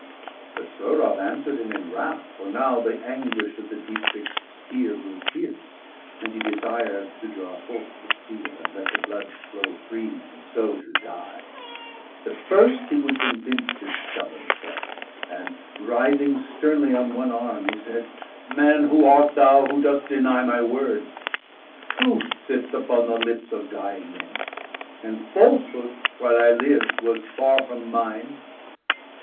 But Sohrab answer'd him in wrath; for now The anguish of the deep fix'd spear grew fierce, 650 And he desired to draw forth the steel, And let the blood flow free, and so to die But first he would convince his stubborn foe; And, rising sternly on one arm, he said: "Man, who art thou who dost deny my words? 655 Truth sits upon the lips of dying men, And falsehood, while I lived, was far from mine.